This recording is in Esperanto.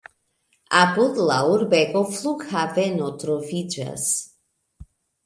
Apud la urbego flughaveno troviĝas.